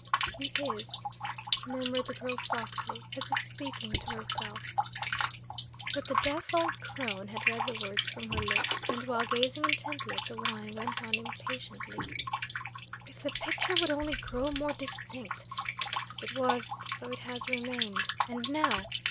"He is," murmured the girl softly, as if speaking to herself. But the deaf old crone had read the words from her lips, and while gazing intently at the wine, went on impatiently: "If the picture would only grow more distinct! As it was, so it has remained. And now!